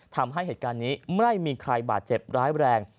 ทำให้เหตุการณ์นี้ไม่มีใครบาดเจ็บร้ายแรง